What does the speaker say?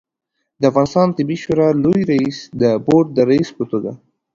د افغانستان طبي شورا لوي رئیس د بورد رئیس په توګه